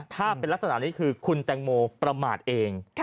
ถ้าเป็นลักษณะนี้คือคุณแตงโมประมาทเอง